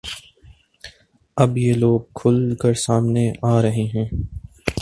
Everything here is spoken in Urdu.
اب یہ لوگ کھل کر سامنے آ رہے ہیں